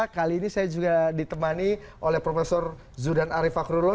kali ini saya juga ditemani oleh prof zudan arief fakrullah